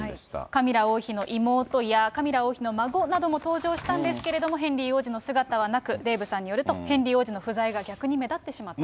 カミラ王妃の妹やカミラ王妃の孫なども登場したんですけれども、ヘンリー王子の姿はなく、デーブさんによると、ヘンリー王子の不在が逆に目立ってしまったと。